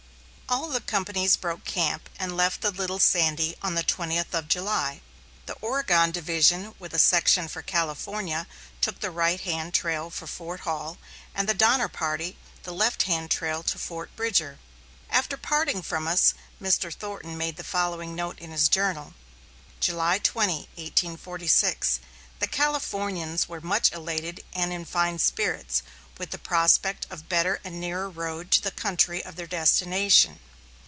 All the companies broke camp and left the Little Sandy on the twentieth of July. The Oregon division with a section for California took the right hand trail for Fort Hall; and the Donner Party, the left hand trail to Fort Bridger. After parting from us, Mr. Thornton made the following note in his journal: July 20, 1846. The Californians were much elated and in fine spirits, with the prospect of better and nearer road to the country of their destination.